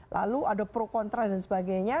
lalu ada pro kontra dan sebagainya